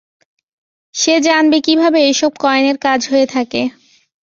সে জানবে কীভাবে এসব কয়েনের কাজ হয়ে থাকে।